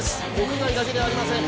屋外だけではありません。